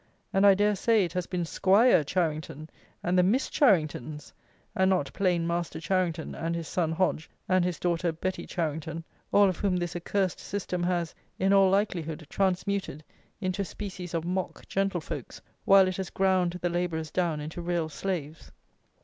And I dare say it has been 'Squire Charington and the Miss Charington's; and not plain Master Charington, and his son Hodge, and his daughter Betty Charington, all of whom this accursed system has, in all likelihood, transmuted into a species of mock gentlefolks, while it has ground the labourers down into real slaves.